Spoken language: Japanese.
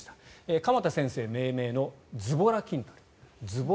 鎌田先生命名のズボラ筋トレ。